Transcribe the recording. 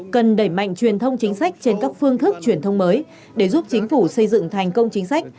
cần đẩy mạnh truyền thông chính sách trên các phương thức truyền thông mới để giúp chính phủ xây dựng thành công chính sách